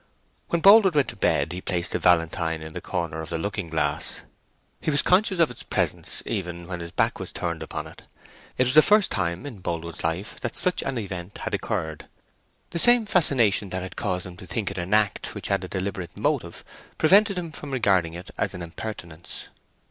When Boldwood went to bed he placed the valentine in the corner of the looking glass. He was conscious of its presence, even when his back was turned upon it. It was the first time in Boldwood's life that such an event had occurred. The same fascination that caused him to think it an act which had a deliberate motive prevented him from regarding it as an impertinence.